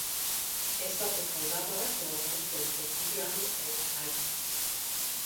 È stato collaboratore del quotidiano El País.